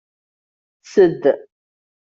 Ssed.